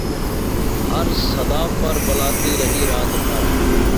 ہر صدا پر بلاتی رہی رات بھر